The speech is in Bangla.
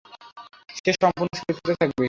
সে সম্পুর্ণ সুরক্ষিত থাকবে।